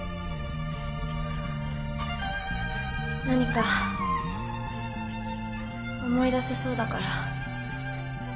何か思い出せそうだから。